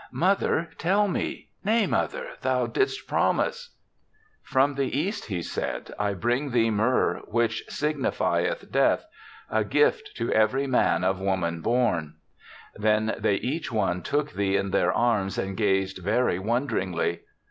"Mother, tell me — nay, mother, thou didst promise/' "* From the East,* he said, * I bring thee myrrh, which signifieth Death — z gift to every man of woman born/ " Then they each one took thee in their arms and gazed very wonder ingly.